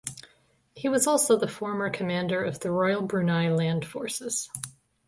He was also the former commander of the Royal Brunei Land Forces.